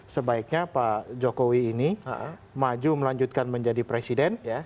sebaiknya pak jokowi ini maju melanjutkan menjadi presiden